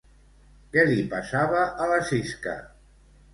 Què li passava a la Sisca?